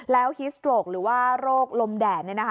แล้วฮิสโตรกหรือว่าโรคลมแดด